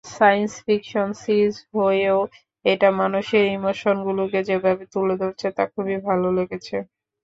Science fiction series হয়েও এটা মানুষের ইমোশনগুলোকে যেভাবে তুলে ধরেছে তা খুবই ভালো লেগেছে।